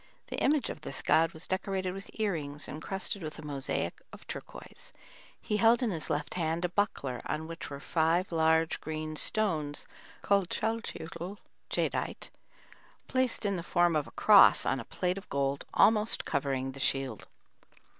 The image of this god was decorated with ear rings encrusted with a mosaic of turquoise. He held in his left hand a buckler on which were five large green stones called chalchiuitl (jadeite), placed in the form of a cross on a plate of gold almost covering the shield.